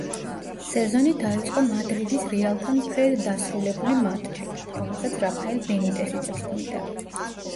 სეზონი დაიწყო მადრიდის „რეალთან“ ფრედ დასრულებული მატჩით, რომელსაც რაფაელ ბენიტესი წვრთნიდა.